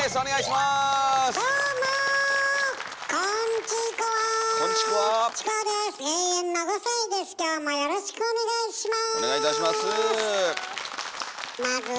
まずはどうもよろしくお願いします。